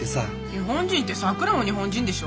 日本人ってさくらも日本人でしょ？